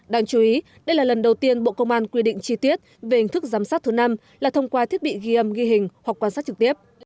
đáng chú ý đây là lần đầu tiên bộ công an quy định chi tiết về hình thức giám sát thứ năm là thông qua thiết bị ghi âm ghi hình hoặc quan sát trực tiếp